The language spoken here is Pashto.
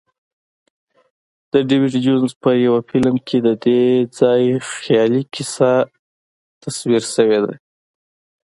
د ډیویډ جونز په یوه فلم کې ددې ځای خیالي کیسه تصویر شوې ده.